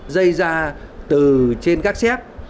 dây ra từ trên các xét